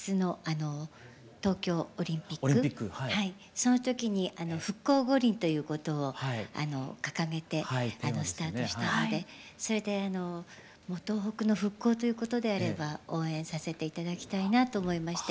その時に復興五輪ということを掲げてスタートしたのでそれでもう東北の復興ということであれば応援させて頂きたいなと思いまして。